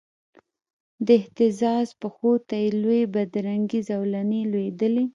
د اهتزاز پښو ته یې لویي بدرنګې زولنې لویدلې